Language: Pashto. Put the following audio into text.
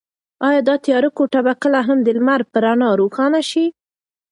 ایا دا تیاره کوټه به کله هم د لمر په رڼا روښانه شي؟